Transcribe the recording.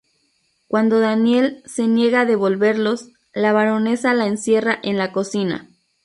Cuando Danielle se niega a devolverlos, la Baronesa la encierra en la cocina.